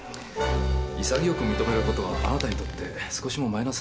潔く認めることはあなたにとって少しもマイナスではありません。